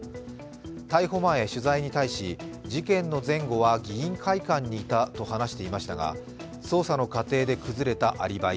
逮捕前、取材に対し事件の前後は議員会館にいたと話していましたが捜査の過程で崩れたアリバイ。